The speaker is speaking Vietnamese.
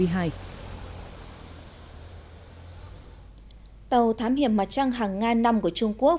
tàu thám hiểm mặt trăng hàng ngàn năm của trung quốc